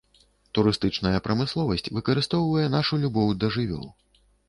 Турыстычная прамысловасць выкарыстоўвае нашу любоў да жывёл.